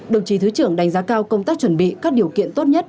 đồng chí thứ trưởng đánh giá cao công tác chuẩn bị các điều kiện tốt nhất